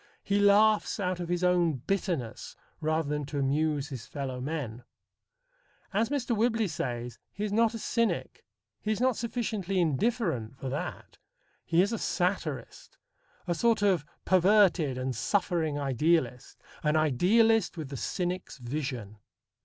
He laughs out of his own bitterness rather than to amuse his fellow men. As Mr. Whibley says, he is not a cynic. He is not sufficiently indifferent for that. He is a satirist, a sort of perverted and suffering idealist: an idealist with the cynic's vision.